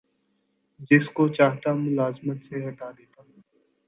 جس کو چاہتا ملازمت سے ہٹا دیتا